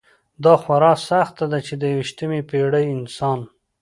دا خورا سخته ده چې د یویشتمې پېړۍ انسان.